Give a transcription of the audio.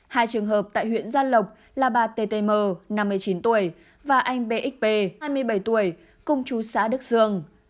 hai trường hợp tại huyện gia lộc là bà ttm năm mươi chín tuổi và anh bxp hai mươi bảy tuổi cùng chú xã đức dương